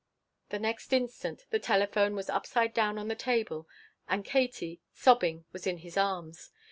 The next instant the telephone was upside down on the table and Katie, sobbing, was in his arms.